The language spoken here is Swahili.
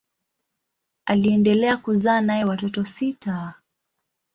Aliendelea kuzaa naye watoto sita.